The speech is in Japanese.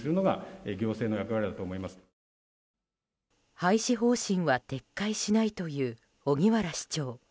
廃止方針は撤回しないという荻原市長。